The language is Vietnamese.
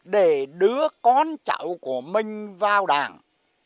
để đưa con chậu của mình vào đảng